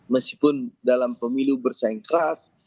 meskipun dalam pemilu bersaing keras